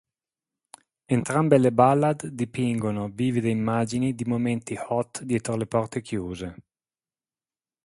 Entrambe le ballad dipingono vivide immagini di momenti hot dietro le porte chiuse".